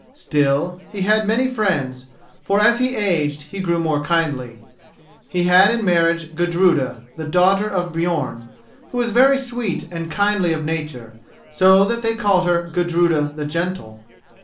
Still, he had many friends, for as he aged he grew more kindly. He had in marriage Gudruda, the daughter of Björn, who was very sweet and kindly of nature, so that they called her Gudruda the Gentle.